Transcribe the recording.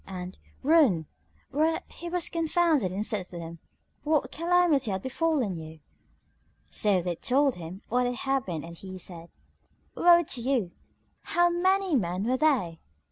and "Ruin!" whereat he was confounded and said to them, "What calamity hath befallen you?" So they told him what had happened and he said, "Woe to you! How many men were they?"